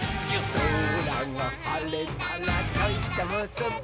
「そらがはれたらちょいとむすび」